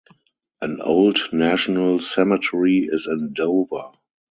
An old national cemetery is in Dover.